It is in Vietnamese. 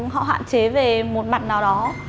họ hạn chế về một mặt nào đó